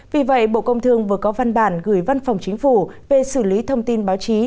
vì vậy bộ công thương vừa có văn bản gửi văn phòng chính phủ về xử lý thông tin báo chí